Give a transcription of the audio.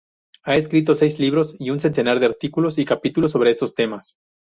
Ha escrito seis libros y un centenar de artículos y capítulos sobre estos temas.